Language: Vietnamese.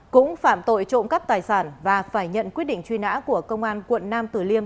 cũng phạm tội trộm cắp tài sản và phải nhận quyết định truy nã của công an quận nam tử liêm